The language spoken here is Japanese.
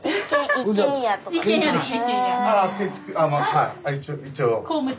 はい一応。